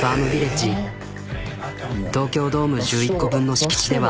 東京ドーム１１個分の敷地では。